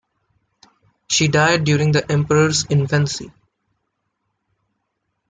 She died during the Emperor's infancy.